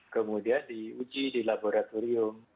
kemudian diuji di laboratorium